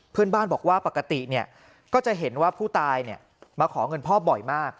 เพื่อนบ้านบอกว่าปกติก็จะเห็นว่าผู้ตายมาขอเงินพ่อบ่อยมาก